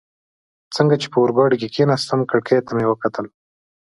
څنګه چي په اورګاډي کي کښېناستم، کړکۍ ته مې وکتل.